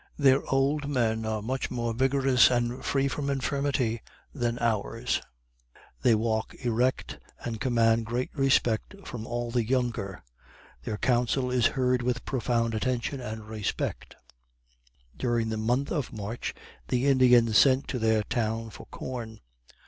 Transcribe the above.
Their old men are much more vigorous and free from infirmity than ours. They walk erect, and command great respect from all the younger their counsel is heard with profound attention and respect. During the month of March the Indians sent to their town for corn.